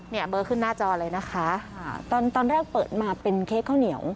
เบอร์ขึ้นหน้าจอเลยนะคะค่ะตอนตอนแรกเปิดมาเป็นเค้กข้าวเหนียว